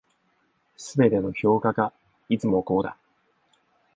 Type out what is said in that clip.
全ての評価がいつも五だ。